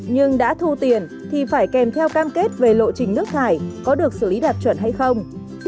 nhưng đã thu tiền thì phải kèm theo cam kết về lộ trình nước thải có được xử lý đạt chuẩn hay không